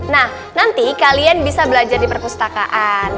nah nanti kalian bisa belajar di perpustakaan